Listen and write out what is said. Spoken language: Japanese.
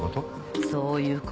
そういうこと。